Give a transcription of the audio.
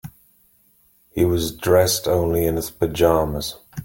He was dressed only in his pajamas.